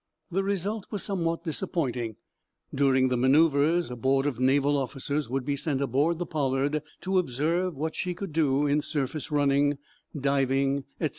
The result was somewhat disappointing. During the manoeuvres a board of naval officers would be sent aboard the "Pollard" to observe what she could do in surface running, diving, etc.